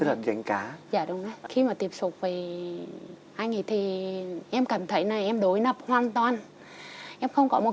gánh cá giả đúng khi mà tiếp xúc với anh ấy thì em cảm thấy là em đối nập hoàn toàn em không có một